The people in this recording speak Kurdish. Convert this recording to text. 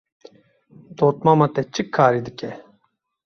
Dotmama te çi karî dike?